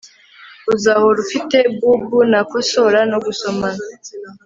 uzahora ufite boo boo nakosora no gusomana